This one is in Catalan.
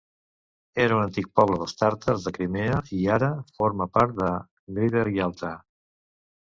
Era un antic poble dels tàrtars de Crimea i ara forma part de Greater Yalta.